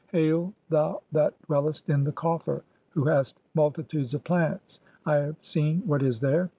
Hail, thou that dwellest in the coffer, 'who hast multitudes of plants (?), I (5) have seen [what is] 'there.